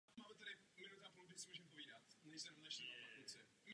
Polibek však vzbudí v obou náhlou lásku.